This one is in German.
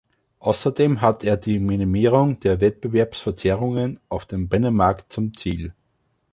Außerdem hat er die Minimierung der Wettbewerbsverzerrungen auf dem Binnenmarkt zum Ziel.